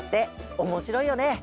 おもしろいよね！